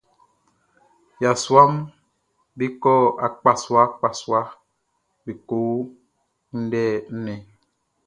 Yasuaʼm be kɔ akpasuaakpasua be ko kunndɛ nnɛn.